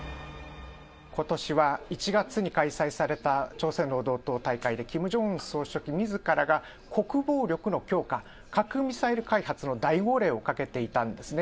ことしは１月に開催された朝鮮労働党大会で、キム・ジョンウン総書記みずからが国防力の強化、核ミサイル開発の大号令をかけていたんですね。